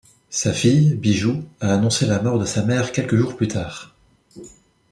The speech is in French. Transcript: Sa fille, Bijou, a annoncé la mort de sa mère quelques jours plus tard.